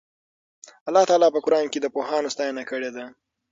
الله تعالی په قرآن کې د پوهانو ستاینه کړې ده.